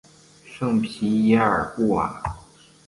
圣皮耶尔布瓦。